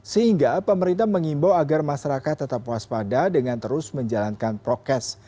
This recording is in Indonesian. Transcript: sehingga pemerintah mengimbau agar masyarakat tetap waspada dengan terus menjalankan prokes